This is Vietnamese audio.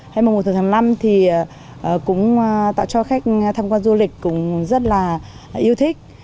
hay mùa thu tháng năm thì cũng tạo cho khách tham quan du lịch cũng rất là yêu thích